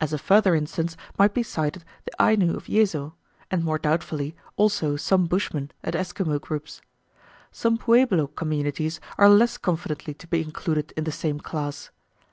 As a further instance might be cited the Ainu of Yezo, and, more doubtfully, also some Bushman and Eskimo groups. Some Pueblo communities are less confidently to be included in the same class.